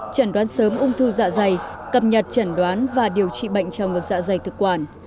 chẩn đoán sớm ung thư dạ dày cập nhật chẩn đoán và điều trị bệnh trong ngược dạ dày thực quản